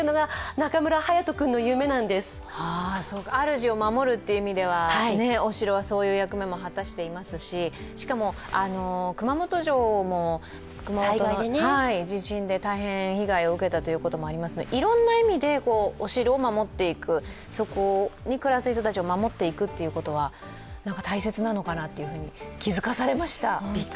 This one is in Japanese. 主を守るという意味では、お城はそういう役目も果たしていますし、しかも、熊本城も地震で大変被害を受けたということもありますので、いろんな意味でお城を守っていく、そこに暮らす人たちを守っていくということは大切なのかなというふうに気づかされました。